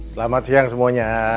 selamat siang semuanya